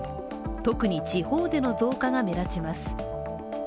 特に地方での増加が目立ちます。